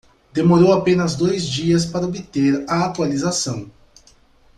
Demorou apenas dois dias para obter a atualização.